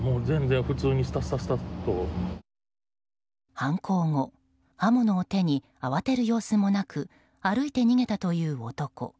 犯行後、刃物を手に慌てる様子もなく歩いて逃げたという男。